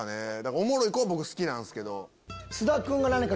おもろい子は僕好きなんですけど。